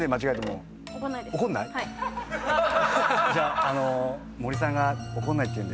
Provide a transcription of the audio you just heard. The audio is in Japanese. じゃあ森さんが「怒んない」って言うんでいってみます。